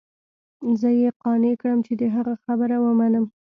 زه يې قانع كړم چې د هغه خبره ومنم.